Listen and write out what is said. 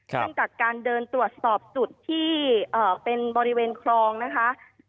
ซึ่งจากการเดินตรวจสอบจุดที่เป็นบริเวณคลองนะคะ